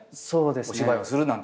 お芝居をするなんて。